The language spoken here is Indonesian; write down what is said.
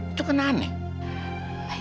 itu kan aneh